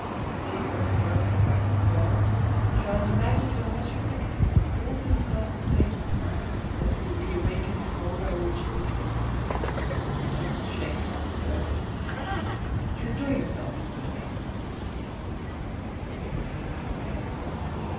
Seeing her so taciturn, Charles imagined her much affected, and forced himself to say nothing, not to reawaken this sorrow which moved him. And, shaking off his own "Did you enjoy yourself yesterday?" he asked. "Yes."